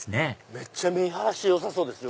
めっちゃ見晴らしよさそうですよ